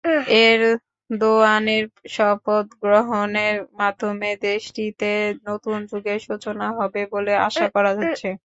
এরদোয়ানের শপথ গ্রহণের মাধ্যমে দেশটিতে নতুন যুগের সূচনা হবে বলে আশা করা হচ্ছে।